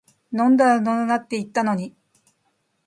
飲んだら乗るなって言ったのに